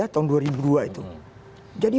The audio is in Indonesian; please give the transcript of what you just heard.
tahun dua ribu dua itu jadi